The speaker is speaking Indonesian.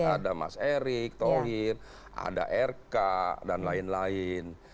ada mas erik tohir ada rk dan lain lain